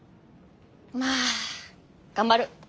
まあ頑張る。